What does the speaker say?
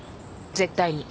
絶対に。